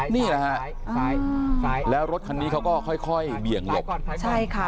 นี่ล่ะฮะแล้วรถคันนี้เขาก็ค่อยเบี่ยงหลบใช่ค่ะ